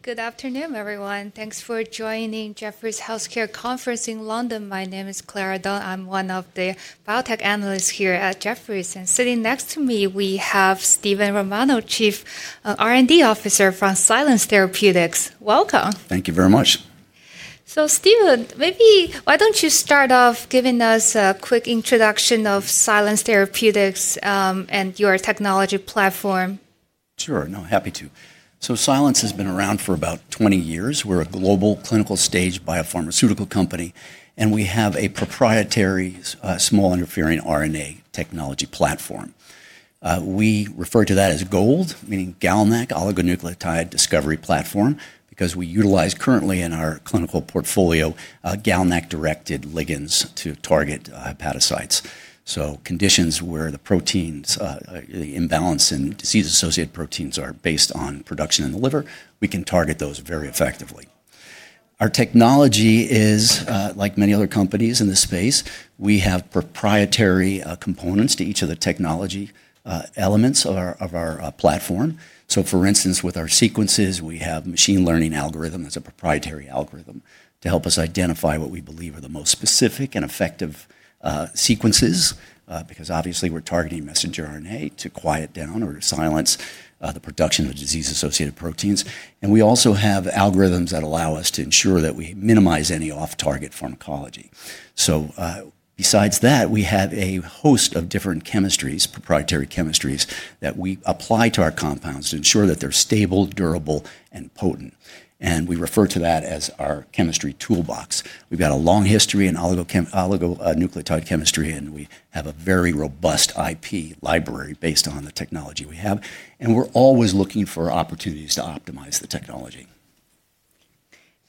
All right, good afternoon, everyone. Thanks for joining Jefferies Healthcare conference in London. My name is Clara Dong. I'm one of the biotech analysts here at Jefferies. Sitting next to me, we have Steven Romano, Chief R&D Officer from Silence Therapeutics. Welcome. Thank you very much. Steven, maybe why don't you start off giving us a quick introduction of Silence Therapeutics and your technology platform? Sure, no, happy to. Silence has been around for about 20 years. We're a global clinical stage biopharmaceutical company, and we have a proprietary small interfering RNA technology platform. We refer to that as GOLD, meaning GalNAc Oligonucleotide Discovery platform, because we utilize currently in our clinical portfolio GalNAc-directed ligands to target hepatocytes. Conditions where the proteins, the imbalance in disease-associated proteins are based on production in the liver, we can target those very effectively. Our technology is, like many other companies in this space, we have proprietary components to each of the technology elements of our platform. For instance, with our sequences, we have a machine learning algorithm that's a proprietary algorithm to help us identify what we believe are the most specific and effective sequences, because obviously we're targeting messenger RNA to quiet down or to silence the production of disease-associated proteins. We also have algorithms that allow us to ensure that we minimize any off-target pharmacology. Besides that, we have a host of different chemistries, proprietary chemistries that we apply to our compounds to ensure that they're stable, durable, and potent. We refer to that as our chemistry toolbox. We've got a long history in oligonucleotide chemistry, and we have a very robust IP library based on the technology we have. We're always looking for opportunities to optimize the technology.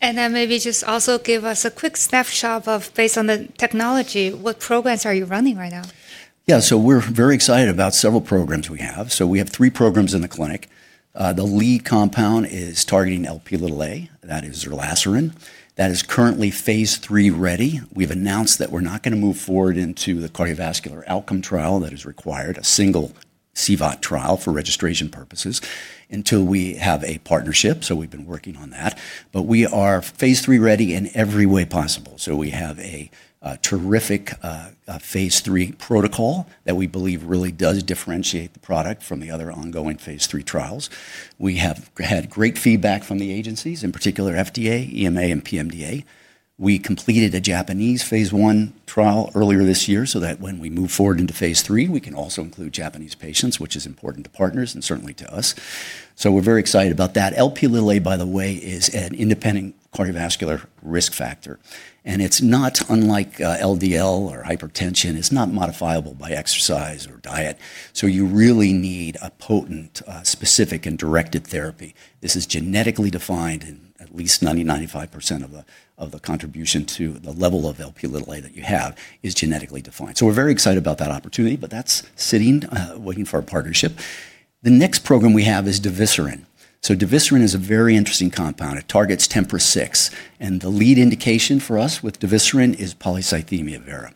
Maybe just also give us a quick snapshot of, based on the technology, what programs are you running right now? Yeah, so we're very excited about several programs we have. We have three programs in the clinic. The lead compound is targeting Lp(a); that is, SLN360. That is currently phase III ready. We've announced that we're not going to move forward into the cardiovascular outcome trial that is required, a single CVOT trial for registration purposes, until we have a partnership. We've been working on that. We are phase III ready in every way possible. We have a terrific phase III protocol that we believe really does differentiate the product from the other ongoing phase III trials. We have had great feedback from the agencies, in particular FDA, EMA, and PMDA. We completed a Japanese phase I trial earlier this year so that when we move forward into phase III, we can also include Japanese patients, which is important to partners and certainly to us. We're very excited about that. Lp(a), by the way, is an independent cardiovascular risk factor. It's not unlike LDL or hypertension. It's not modifiable by exercise or diet. You really need a potent, specific, and directed therapy. This is genetically defined, and at least 90%-95% of the contribution to the level of Lp(a) that you have is genetically defined. We're very excited about that opportunity, but that's sitting, waiting for a partnership. The next program we have is SLN124. SLN124 is a very interesting compound. It targets TMPRSS6. The lead indication for us with SLN124 is polycythemia vera.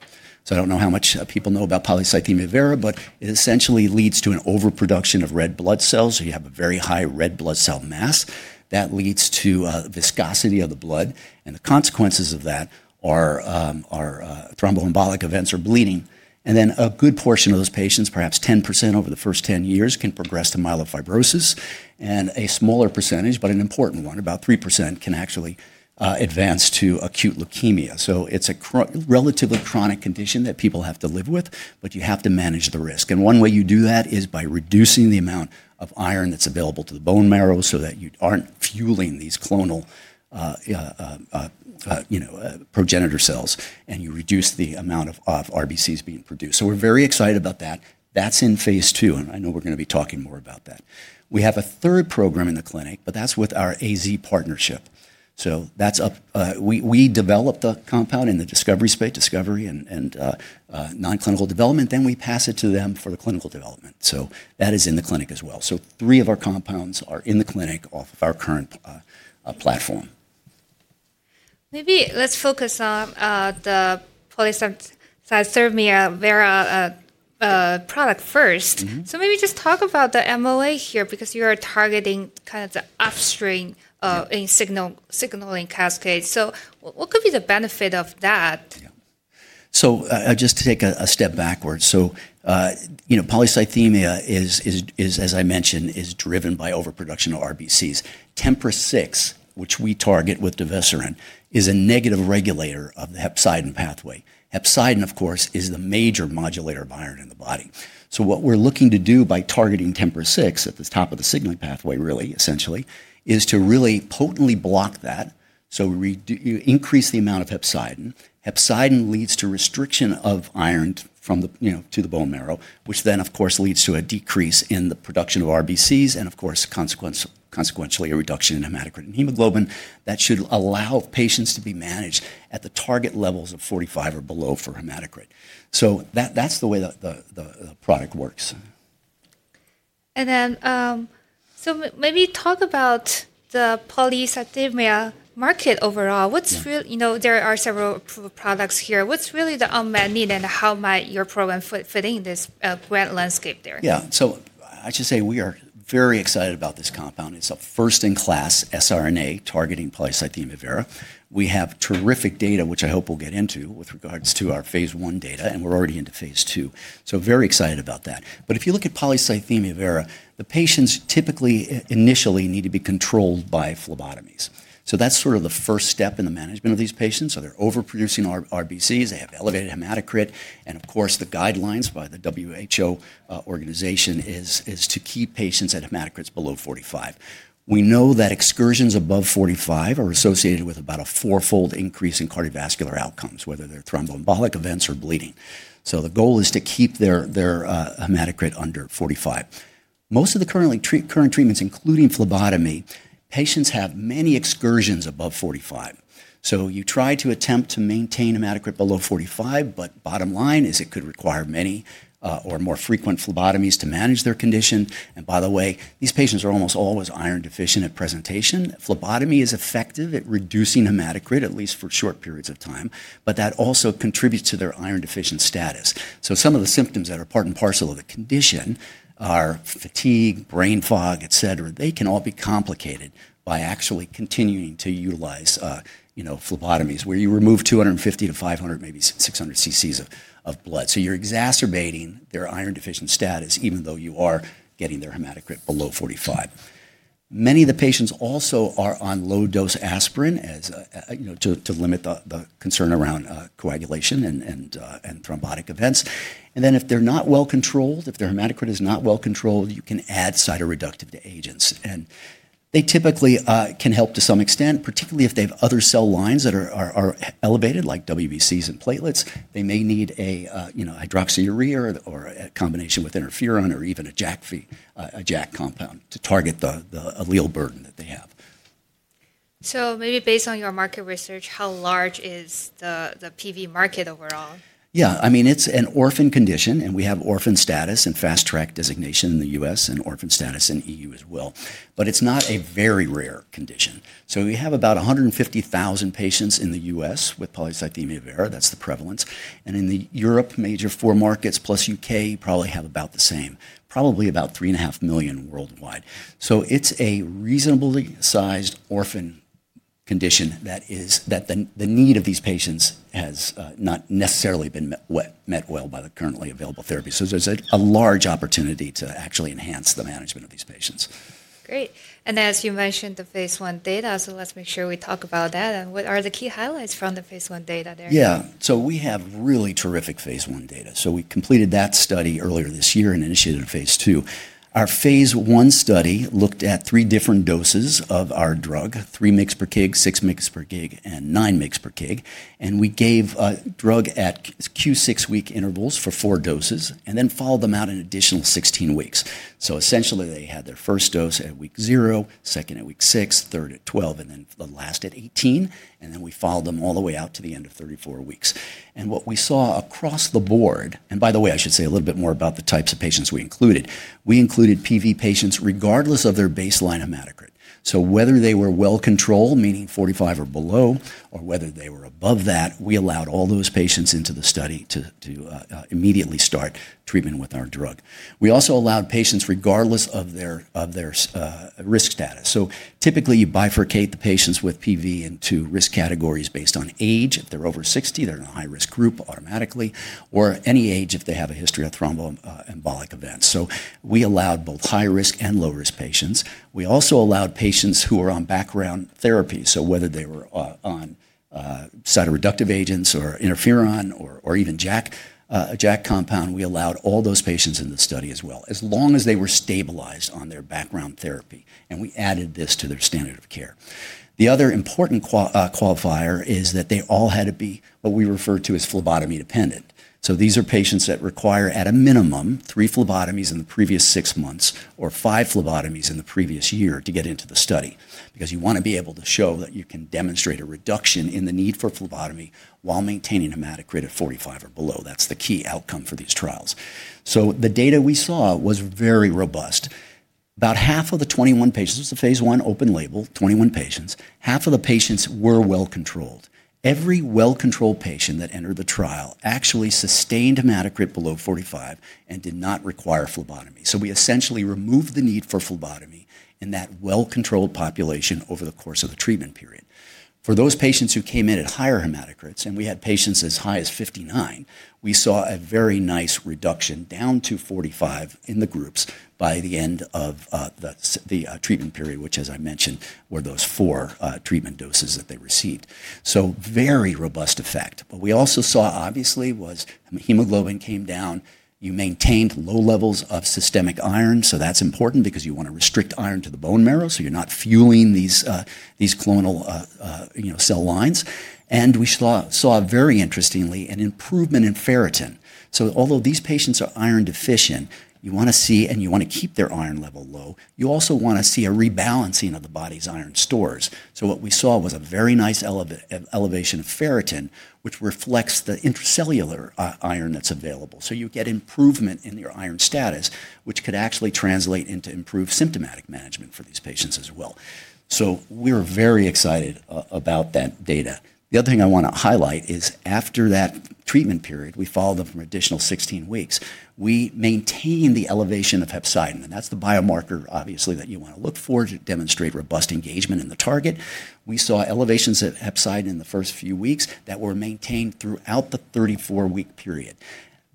I don't know how much people know about polycythemia vera, but it essentially leads to an overproduction of red blood cells. You have a very high red blood cell mass. That leads to viscosity of the blood. The consequences of that are thromboembolic events or bleeding. A good portion of those patients, perhaps 10% over the first 10 years, can progress to myelofibrosis. A smaller percentage, but an important one, about 3%, can actually advance to acute leukemia. It is a relatively chronic condition that people have to live with, but you have to manage the risk. One way you do that is by reducing the amount of iron that is available to the bone marrow so that you are not fueling these clonal progenitor cells, and you reduce the amount of RBCs being produced. We are very excited about that. That is in phase II, and I know we are going to be talking more about that. We have a third program in the clinic, but that is with our AstraZeneca partnership. That is up. We develop the compound in the discovery space, discovery and non-clinical development, then we pass it to them for the clinical development. That is in the clinic as well. Three of our compounds are in the clinic off of our current platform. Maybe let's focus on the polycythemia vera product first. Maybe just talk about the MOA here, because you are targeting kind of the upstream in signaling cascade. What could be the benefit of that? Just to take a step backwards, polycythemia is, as I mentioned, driven by overproduction of RBCs. TMPRSS6, which we target with SLN124, is a negative regulator of the hepcidin pathway. Hepcidin, of course, is the major modulator of iron in the body. What we are looking to do by targeting TMPRSS6 at the top of the signaling pathway, really, essentially, is to really potently block that. We increase the amount of hepcidin. Hepcidin leads to restriction of iron to the bone marrow, which then, of course, leads to a decrease in the production of RBCs and, of course, consequently, a reduction in hematocrit and hemoglobin that should allow patients to be managed at the target levels of 45% or below for hematocrit. That is the way the product works. Maybe talk about the polycythemia vera market overall. There are several products here. What's really the unmet need and how might your program fit in this grand landscape there? Yeah, so I should say we are very excited about this compound. It's a first-in-class siRNA targeting polycythemia vera. We have terrific data, which I hope we'll get into with regards to our phase I data, and we're already into phase II. Very excited about that. If you look at polycythemia vera, the patients typically initially need to be controlled by phlebotomies. That's sort of the first step in the management of these patients. They're overproducing RBCs, they have elevated hematocrit, and of course, the guidelines by the WHO organization is to keep patients at hematocrits below 45%. We know that excursions above 45% are associated with about a fourfold increase in cardiovascular outcomes, whether they're thromboembolic events or bleeding. The goal is to keep their hematocrit under 45%. Most of the current treatments, including phlebotomy, patients have many excursions above 45%. You try to attempt to maintain hematocrit below 45%, but bottom line is it could require many or more frequent phlebotomies to manage their condition. By the way, these patients are almost always iron deficient at presentation. Phlebotomy is effective at reducing hematocrit, at least for short periods of time, but that also contributes to their iron deficient status. Some of the symptoms that are part and parcel of the condition are fatigue, brain fog, et cetera. They can all be complicated by actually continuing to utilize phlebotomies where you remove 250-500, maybe 600 cc of blood. You are exacerbating their iron deficient status, even though you are getting their hematocrit below 45%. Many of the patients also are on low-dose aspirin to limit the concern around coagulation and thrombotic events. If they're not well controlled, if their hematocrit is not well controlled, you can add cytoreductive agents. They typically can help to some extent, particularly if they have other cell lines that are elevated, like WBCs and platelets. They may need a hydroxyurea or a combination with interferon or even a JAK compound to target the allele burden that they have. Maybe based on your market research, how large is the PV market overall? Yeah, I mean, it's an orphan condition, and we have orphan status and fast-track designation in the U.S. and orphan status in the E.U. as well. It's not a very rare condition. We have about 150,000 patients in the U.S. with polycythemia vera. That's the prevalence. In Europe, major four markets plus the U.K. probably have about the same, probably about 3.5 million worldwide. It's a reasonably sized orphan condition that the need of these patients has not necessarily been met well by the currently available therapy. There's a large opportunity to actually enhance the management of these patients. Great. As you mentioned the phase I data, let's make sure we talk about that. What are the key highlights from the phase I data there? Yeah, we have really terrific phase I data. We completed that study earlier this year and initiated a phase II. Our phase I study looked at three different doses of our drug, 3 mg/kg, 6 mg/kg, and 9 mg/kg. We gave the drug at Q6 week intervals for four doses and then followed them out an additional 16 weeks. Essentially, they had their first dose at week zero, second at week six, third at 12, and the last at 18. We followed them all the way out to the end of 34 weeks. What we saw across the board, and by the way, I should say a little bit more about the types of patients we included, we included PV patients regardless of their baseline hematocrit. Whether they were well controlled, meaning 45% or below, or whether they were above that, we allowed all those patients into the study to immediately start treatment with our drug. We also allowed patients regardless of their risk status. Typically, you bifurcate the patients with PV into risk categories based on age. If they are over 60, they are in a high-risk group automatically, or any age if they have a history of thromboembolic events. We allowed both high-risk and low-risk patients. We also allowed patients who were on background therapy. Whether they were on cytoreductive agents or interferon or even JAK compound, we allowed all those patients in the study as well, as long as they were stabilized on their background therapy. We added this to their standard of care. The other important qualifier is that they all had to be what we refer to as phlebotomy dependent. These are patients that require at a minimum three phlebotomies in the previous six months or five phlebotomies in the previous year to get into the study, because you want to be able to show that you can demonstrate a reduction in the need for phlebotomy while maintaining hematocrit at 45% or below. That's the key outcome for these trials. The data we saw was very robust. About 0.5 of the 21 patients, this is a phase I open label, 21 patients, half of the patients were well controlled. Every well-controlled patient that entered the trial actually sustained hematocrit below 45% and did not require phlebotomy. We essentially removed the need for phlebotomy in that well-controlled population over the course of the treatment period. For those patients who came in at higher hematocrits, and we had patients as high as 59, we saw a very nice reduction down to 45 in the groups by the end of the treatment period, which, as I mentioned, were those four treatment doses that they received. Very robust effect. We also saw, obviously, was hemoglobin came down. You maintained low levels of systemic iron. That is important because you want to restrict iron to the bone marrow, so you're not fueling these clonal cell lines. We saw, very interestingly, an improvement in ferritin. Although these patients are iron deficient, you want to see, and you want to keep their iron level low, you also want to see a rebalancing of the body's iron stores. What we saw was a very nice elevation of ferritin, which reflects the intracellular iron that's available. You get improvement in your iron status, which could actually translate into improved symptomatic management for these patients as well. We were very excited about that data. The other thing I want to highlight is after that treatment period, we followed them for an additional 16 weeks. We maintained the elevation of hepcidin. That's the biomarker, obviously, that you want to look for to demonstrate robust engagement in the target. We saw elevations of hepcidin in the first few weeks that were maintained throughout the 34-week period.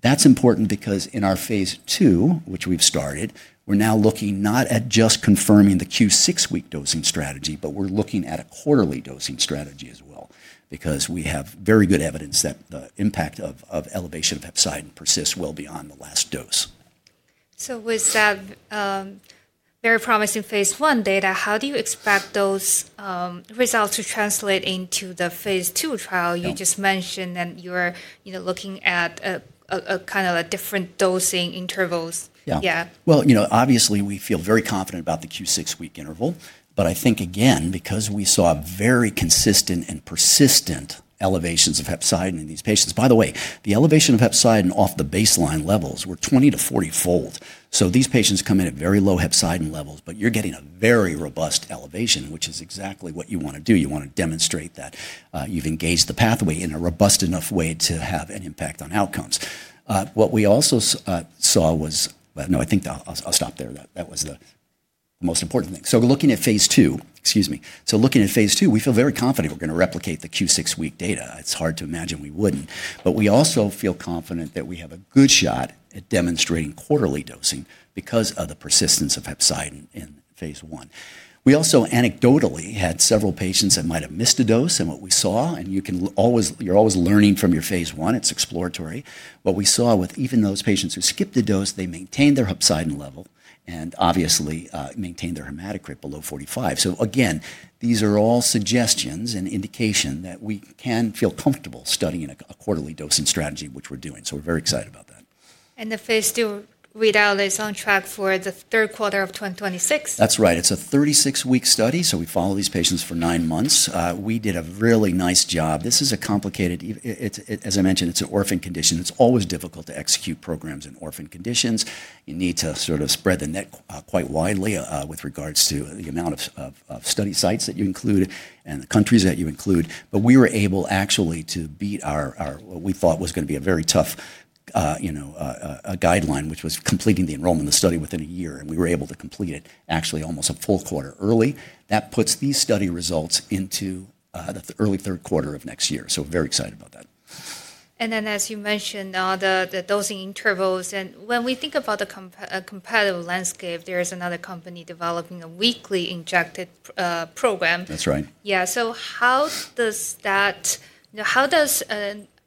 That's important because in our phase II, which we've started, we're now looking not at just confirming the Q6 week dosing strategy, but we're looking at a quarterly dosing strategy as well, because we have very good evidence that the impact of elevation of hepcidin persists well beyond the last dose. With that very promising phase I data, how do you expect those results to translate into the phase II trial you just mentioned? You were looking at kind of different dosing intervals. Yeah. You know, obviously, we feel very confident about the Q6 week interval. I think, again, because we saw very consistent and persistent elevations of hepcidin in these patients. By the way, the elevation of hepcidin off the baseline levels were 20-40 fold. These patients come in at very low hepcidin levels, but you're getting a very robust elevation, which is exactly what you want to do. You want to demonstrate that you've engaged the pathway in a robust enough way to have an impact on outcomes. What we also saw was, no, I think I'll stop there. That was the most important thing. Looking at phase II, excuse me. Looking at phase II, we feel very confident we're going to replicate the Q6 week data. It's hard to imagine we wouldn't. We also feel confident that we have a good shot at demonstrating quarterly dosing because of the persistence of hepcidin in phase I. We also anecdotally had several patients that might have missed a dose in what we saw. You are always learning from your phase I. It is exploratory. We saw with even those patients who skipped a dose, they maintained their hepcidin level and obviously maintained their hematocrit below 45%. These are all suggestions and indication that we can feel comfortable studying a quarterly dosing strategy, which we are doing. We are very excited about that. The phase II, we know is on track for the third quarter of 2026. That's right. It's a 36-week study. We follow these patients for nine months. We did a really nice job. This is a complicated, as I mentioned, it's an orphan condition. It's always difficult to execute programs in orphan conditions. You need to sort of spread the net quite widely with regards to the amount of study sites that you include and the countries that you include. We were able actually to beat our what we thought was going to be a very tough guideline, which was completing the enrollment of the study within a year. We were able to complete it actually almost a full quarter early. That puts these study results into the early third quarter of next year. We're very excited about that. As you mentioned, the dosing intervals. When we think about the competitive landscape, there is another company developing a weekly injected program. That's right. Yeah. How does that, how does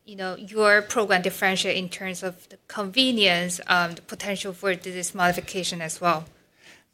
your program differentiate in terms of the convenience, the potential for disease modification as well?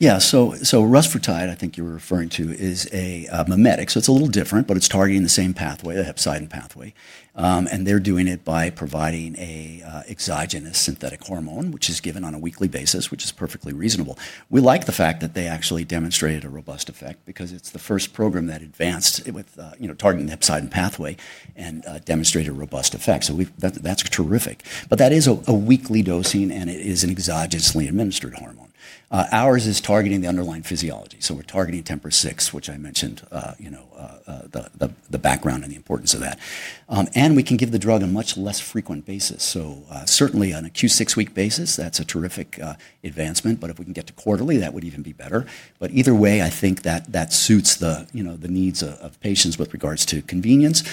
Yeah. So Rusfertide, I think you were referring to, is a mimetic. It is a little different, but it is targeting the same pathway, the hepcidin pathway. They are doing it by providing an exogenous synthetic hormone, which is given on a weekly basis, which is perfectly reasonable. We like the fact that they actually demonstrated a robust effect because it is the first program that advanced with targeting the hepcidin pathway and demonstrated a robust effect. That is terrific. That is a weekly dosing, and it is an exogenously administered hormone. Ours is targeting the underlying physiology. We are targeting TMPRSS6, which I mentioned the background and the importance of that. We can give the drug on a much less frequent basis. Certainly on a Q6 week basis, that is a terrific advancement. If we can get to quarterly, that would even be better. Either way, I think that suits the needs of patients with regards to convenience,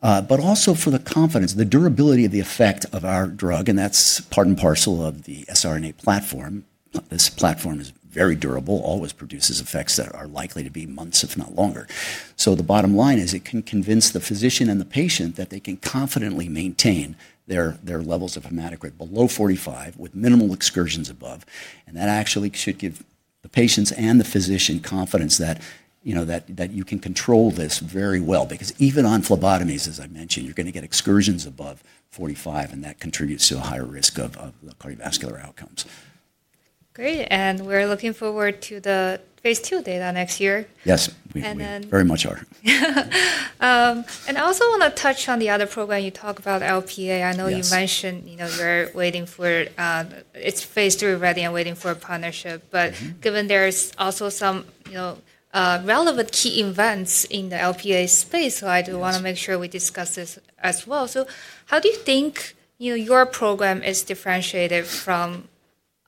but also for the confidence, the durability of the effect of our drug. That is part and parcel of the siRNA platform. This platform is very durable, always produces effects that are likely to be months, if not longer. The bottom line is it can convince the physician and the patient that they can confidently maintain their levels of hematocrit below 45% with minimal excursions above. That actually should give the patients and the physician confidence that you can control this very well. Because even on phlebotomies, as I mentioned, you're going to get excursions above 45%, and that contributes to a higher risk of cardiovascular outcomes. Great. We are looking forward to the phase II data next year. Yes, we very much are. I also want to touch on the other program you talked about, Lp(a). I know you mentioned it's phase III ready and waiting for a partnership. Given there's also some relevant key events in the Lp(a) space, I do want to make sure we discuss this as well. How do you think your program is differentiated from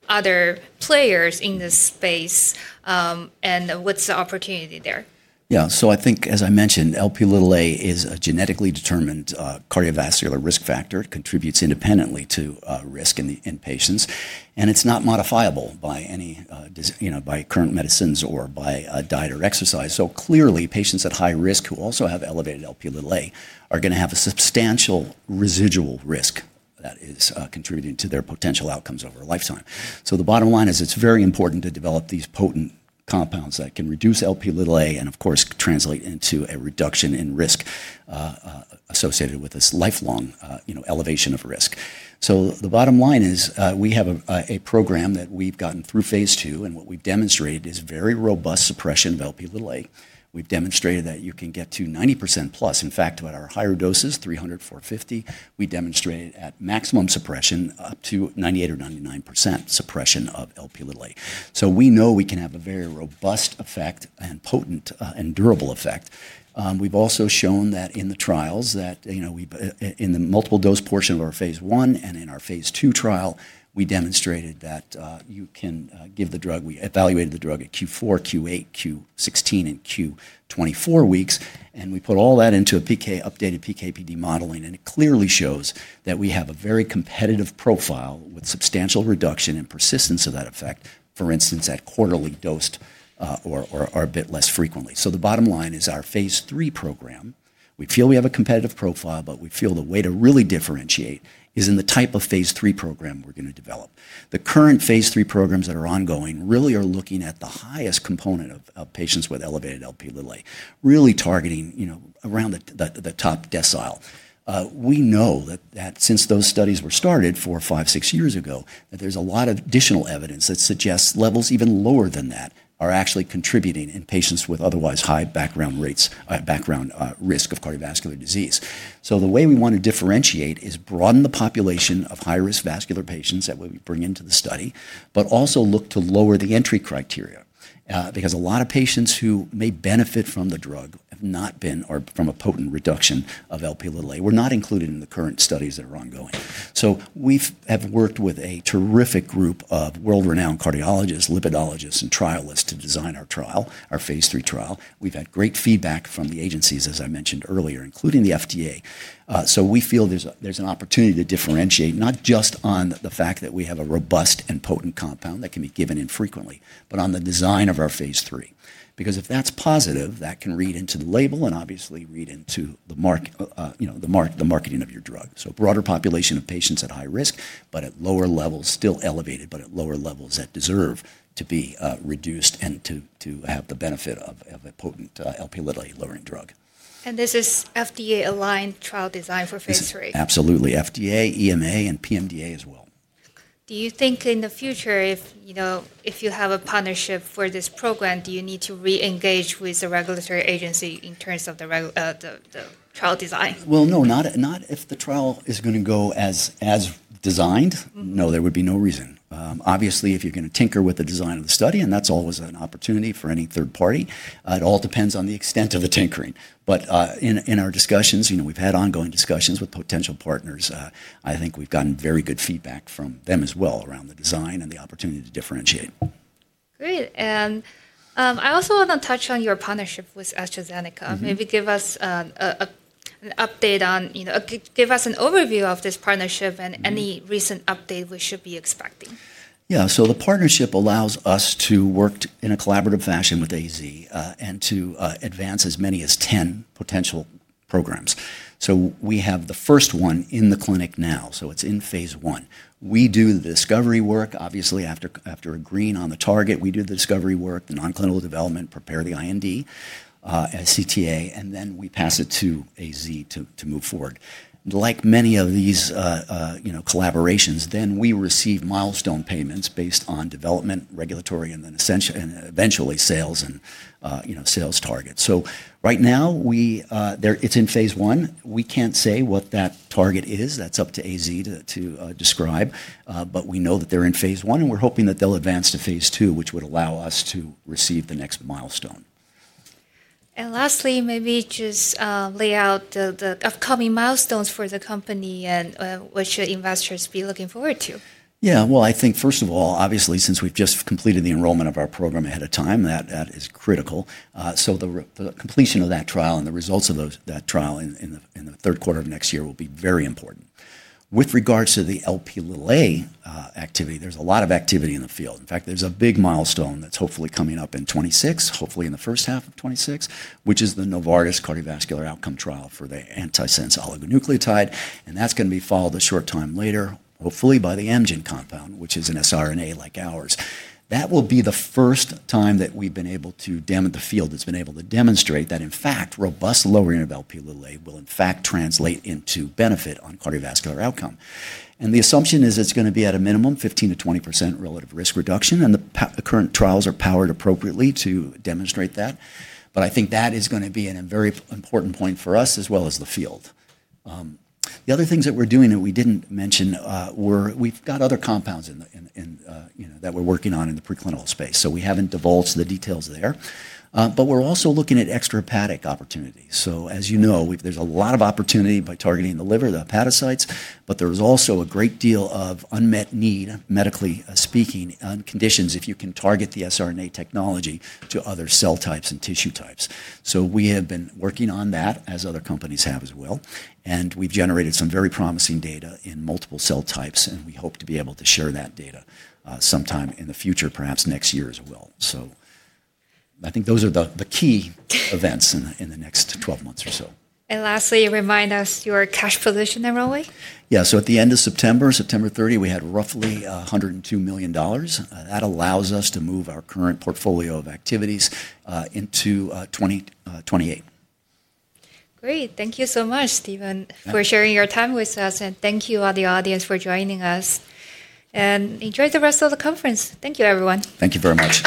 other players in this space? What's the opportunity there? Yeah. I think, as I mentioned, Lp(a) is a genetically determined cardiovascular risk factor. It contributes independently to risk in patients. It's not modifiable by current medicines or by diet or exercise. Clearly, patients at high risk who also have elevated Lp(a) are going to have a substantial residual risk that is contributing to their potential outcomes over a lifetime. The bottom line is it's very important to develop these potent compounds that can reduce Lp(a) and, of course, translate into a reduction in risk associated with this lifelong elevation of risk. The bottom line is we have a program that we've gotten through phase II. What we've demonstrated is very robust suppression of Lp(a). We've demonstrated that you can get to 90%+. In fact, at our higher doses, 300, 450, we demonstrated at maximum suppression up to 98% or 99% suppression of Lp(a). We know we can have a very robust effect and potent and durable effect. We've also shown that in the trials that in the multiple dose portion of our phase I and in our phase II trial, we demonstrated that you can give the drug. We evaluated the drug at Q4, Q8, Q16, and Q24 weeks. We put all that into an updated PKPD modeling. It clearly shows that we have a very competitive profile with substantial reduction and persistence of that effect, for instance, at quarterly dosed or a bit less frequently. The bottom line is our phase III program, we feel we have a competitive profile, but we feel the way to really differentiate is in the type of phase III program we're going to develop. The current phase III programs that are ongoing really are looking at the highest component of patients with elevated Lp(a), really targeting around the top decile. We know that since those studies were started four, five, six years ago, that there's a lot of additional evidence that suggests levels even lower than that are actually contributing in patients with otherwise high background risk of cardiovascular disease. The way we want to differentiate is broaden the population of high-risk vascular patients that we bring into the study, but also look to lower the entry criteria, because a lot of patients who may benefit from the drug or from a potent reduction of Lp(a) were not included in the current studies that are ongoing. We have worked with a terrific group of world-renowned cardiologists, lipidologists, and trialists to design our trial, our phase III trial. We have had great feedback from the agencies, as I mentioned earlier, including the FDA. We feel there is an opportunity to differentiate not just on the fact that we have a robust and potent compound that can be given infrequently, but on the design of our phase III, because if that is positive, that can read into the label and obviously read into the marketing of your drug. Broader population of patients at high risk, but at lower levels, still elevated, but at lower levels that deserve to be reduced and to have the benefit of a potent Lp(a) lowering drug. This is FDA-aligned trial design for phase III. Absolutely. FDA, EMA, and PMDA as well. Do you think in the future, if you have a partnership for this program, do you need to re-engage with the regulatory agency in terms of the trial design? No, not if the trial is going to go as designed. No, there would be no reason. Obviously, if you're going to tinker with the design of the study, and that's always an opportunity for any third party, it all depends on the extent of the tinkering. In our discussions, we've had ongoing discussions with potential partners. I think we've gotten very good feedback from them as well around the design and the opportunity to differentiate. Great. I also want to touch on your partnership with AstraZeneca. Maybe give us an update on, give us an overview of this partnership and any recent update we should be expecting. Yeah. The partnership allows us to work in a collaborative fashion with AZ and to advance as many as 10 potential programs. We have the first one in the clinic now. It is in phase I. We do the discovery work. Obviously, after agreeing on the target, we do the discovery work, the nonclinical development, prepare the IND, SCTA, and then we pass it to AZ to move forward. Like many of these collaborations, we receive milestone payments based on development, regulatory, and eventually sales and sales targets. Right now, it is in phase I. We cannot say what that target is. That is up to AZ to describe. We know that they are in phase I. We are hoping that they will advance to phase II, which would allow us to receive the next milestone. Lastly, maybe just lay out the upcoming milestones for the company and what should investors be looking forward to? Yeah. I think, first of all, obviously, since we've just completed the enrollment of our program ahead of time, that is critical. The completion of that trial and the results of that trial in the third quarter of next year will be very important. With regards to the Lp(a) activity, there's a lot of activity in the field. In fact, there's a big milestone that's hopefully coming up in 2026, hopefully in the first half of 2026, which is the Novartis cardiovascular outcome trial for the antisense oligonucleotide. That's going to be followed a short time later, hopefully by the Amgen compound, which is an siRNA like ours. That will be the first time that we've been able to, the field has been able to, demonstrate that, in fact, robust lowering of Lp(a) will, in fact, translate into benefit on cardiovascular outcome. The assumption is it's going to be at a minimum 15%-20% relative risk reduction. The current trials are powered appropriately to demonstrate that. I think that is going to be a very important point for us as well as the field. The other things that we're doing that we didn't mention were we've got other compounds that we're working on in the preclinical space. We haven't divulged the details there. We're also looking at extrahepatic opportunities. As you know, there's a lot of opportunity by targeting the liver, the hepatocytes. There is also a great deal of unmet need, medically speaking, on conditions if you can target the siRNA technology to other cell types and tissue types. We have been working on that as other companies have as well. We have generated some very promising data in multiple cell types. We hope to be able to share that data sometime in the future, perhaps next year as well. I think those are the key events in the next 12 months or so. Lastly, remind us your cash position and rolling. Yeah. At the end of September, September 30, we had roughly $102 million. That allows us to move our current portfolio of activities into 2028. Great. Thank you so much, Steven, for sharing your time with us. Thank you to the audience for joining us. Enjoy the rest of the conference. Thank you, everyone. Thank you very much.